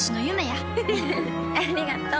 ありがとう。